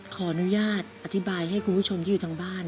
ขออนุญาตอธิบายให้คุณผู้ชมที่อยู่ทางบ้าน